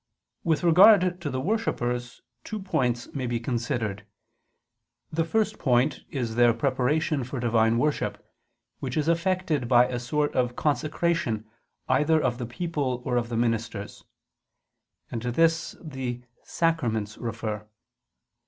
With regard to the worshippers two points may be considered. The first point is their preparation for Divine worship, which is effected by a sort of consecration either of the people or of the ministers; and to this the sacraments refer.